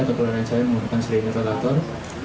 atau kelelahan saya menggunakan sirine rotator